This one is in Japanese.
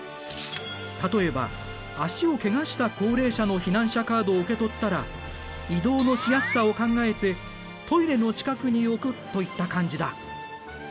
例えば足をケガした高齢者の避難者カードを受け取ったら移動のしやすさを考えてトイレの近くに置くといった感じだ。